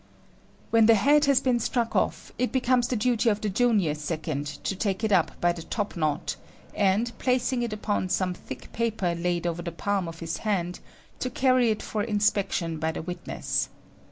When the head has been struck off, it becomes the duty of the junior second to take it up by the top knot, and, placing it upon some thick paper laid over the palm of his hand, to carry it for inspection by the witness.